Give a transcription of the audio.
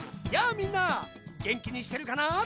みんなげんきにしてるかな？